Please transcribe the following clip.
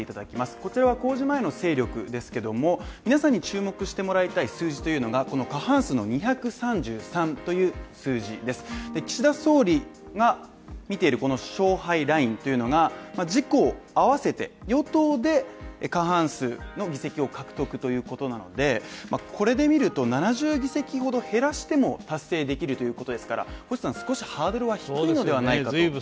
こちらは公示前の勢力ですけども、皆さんに注目してもらいたい数字というのがこの過半数の２３３という数字です岸田総理が見ているこの勝敗ラインというのが、自公合わせて、与党で過半数の議席を獲得ということなのでこれで見ると７２席ほど減らしても達成できるということですから、星さん少しハードルはそうではないずいぶん